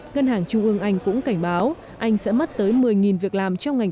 ngân hàng trung ương anh cũng cảnh báo anh sẽ mất tới một mươi việc làm trong ngành